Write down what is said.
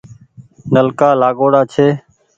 نلڪآ لآگوڙآ ڇي